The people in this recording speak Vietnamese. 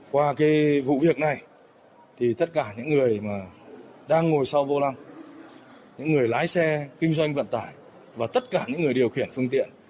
qua cái vụ việc này thì tất cả những người mà đang ngồi sau vô lăng những người lái xe kinh doanh vận tải và tất cả những người điều khiển phương tiện